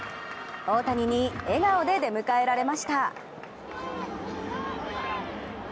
大谷に笑顔で出迎えられました。